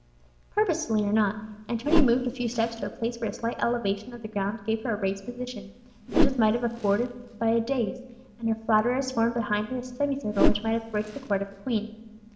Purposely or not, Antonia moved a few steps to a place where a slight elevation of the ground gave her a raised position, such as might have been afforded by a dais, and her flatterers formed behind her a semicircle which might have graced the court of a queen.